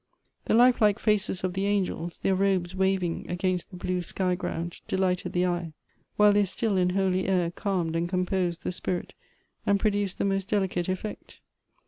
The life like faces of the angels, their robes waving against the blue sky ground, delighted the eye, while Elective Affinities. 1C7 their still and holy air calmed and composed the spirit, and produced the most delicate eflfect.